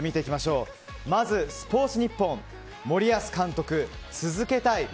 まずスポーツニッポン「森保監督続けたい」。